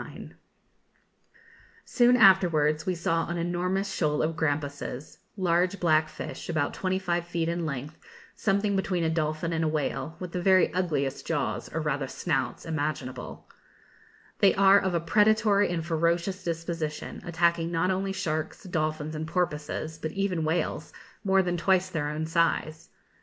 [Illustration: His Doctor (Crossing the Line)] Soon afterwards we saw an enormous shoal of grampuses, large black fish, about 25 feet in length, something between a dolphin and a whale, with the very ugliest jaws, or rather snouts, imaginable. They are of a predatory and ferocious disposition, attacking not only sharks, dolphins, and porpoises, but even whales, more than twice their own size.